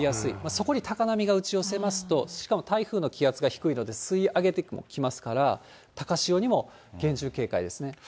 そこに高波が打ち寄せますと、しかも台風の気圧が低いので、吸い上げてもきますから、高潮にも厳重警戒ですね。